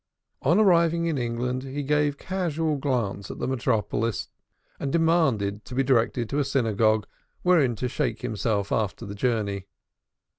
On arriving in England, he gave a casual glance at the metropolis and demanded to be directed to a synagogue wherein to shake himself after the journey.